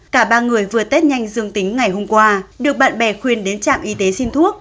cả ba người vừa tết nhanh dương tính ngày hôm qua được bạn bè khuyên đến trạm y tế xin thuốc